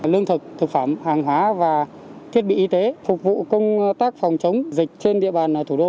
lương thực thực phẩm hàng hóa và thiết bị y tế phục vụ công tác phòng chống dịch trên địa bàn thủ đô